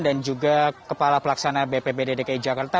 dan juga kepala pelaksana bpbd dki jakarta